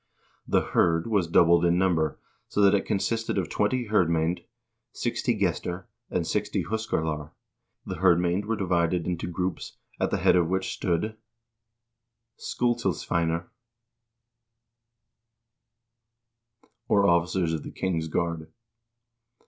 The hird was doubled in number, so that it consisted of 120 hirdmcznd, sixty gestir, and sixty huskarlar. The hirdmcend were divided into groups, at the head of which stood slcutilsveinar,3 or officers of the king's guard.